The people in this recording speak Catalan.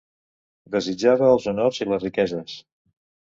Desitjava els honors i les riqueses.